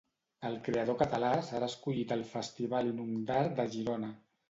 El creador català serà escollit al festival Inund'Art de Girona.